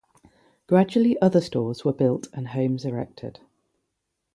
Gradually other stores were built and homes erected.